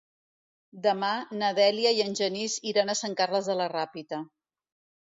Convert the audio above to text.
Demà na Dèlia i en Genís iran a Sant Carles de la Ràpita.